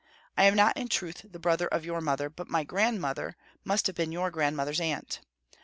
I am not in truth the brother of your mother, but my grandmother must have been your grandmother's aunt.